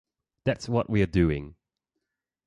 That's what we're doing.